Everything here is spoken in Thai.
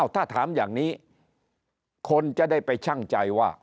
ถ้าถามอย่างนี้คนจะได้ไปชั่งใจว่า